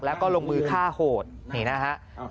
แล้วก็ลงมือฆ่าโหดนี่นะฮะ